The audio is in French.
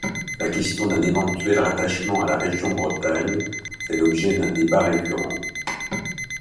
La question d'un éventuel rattachement à la région Bretagne fait l'objet d'un débat récurrent.